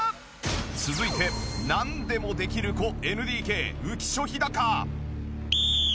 続いてなんでもできる子ＮＤＫ浮所飛貴。